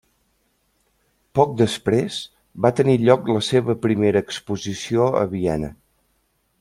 Poc després, va tenir lloc la seva primera exposició a Viena.